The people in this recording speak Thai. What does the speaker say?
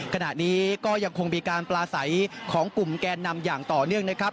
ขณะนี้ก็ยังคงมีการปลาใสของกลุ่มแกนนำอย่างต่อเนื่องนะครับ